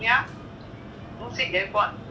giúp chị lên quận